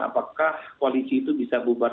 apakah koalisi itu bisa bubar